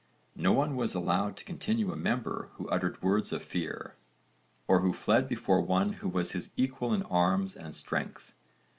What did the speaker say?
No one was allowed to continue a member who uttered words of fear, or who fled before one who was his equal in arms and strength.